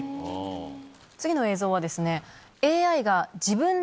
次の映像はですね。